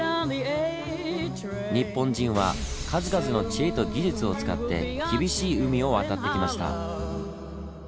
日本人は数々の知恵と技術を使って厳しい海を渡ってきました。